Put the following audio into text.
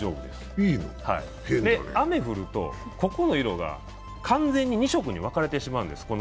で、雨が降ると、ここの色が完全に２色に分かれてしまうんです。